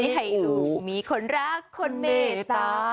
ให้ดูมีคนรักคนเมตตา